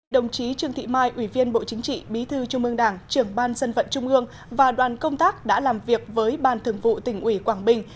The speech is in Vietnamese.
đồng chí trương thị mai ủy viên bộ chính trị bí thư trung ương đảng trưởng ban dân vận trung ương và đoàn công tác đã làm việc với ban thường vụ tỉnh ủy quảng bình